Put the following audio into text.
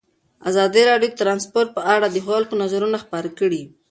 ازادي راډیو د ترانسپورټ په اړه د خلکو نظرونه خپاره کړي.